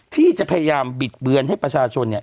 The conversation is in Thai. ที่จะพยายามบิดเบือนให้ประชาชนเนี่ย